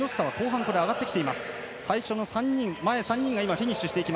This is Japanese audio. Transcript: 前３人がフィニッシュ。